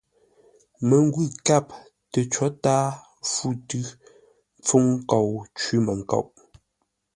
Məngwʉ̂ kâp tə có tǎa fû tʉ́ mpfúŋ nkou cwímənkoʼ.